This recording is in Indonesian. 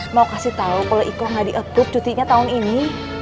mau kasih tau kalo iko ga di update cutinya tahun ini